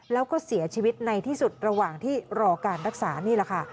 แล้วก็เสียชีวิตในที่สุดระหว่างที่รอการรักษานี่แหละค่ะ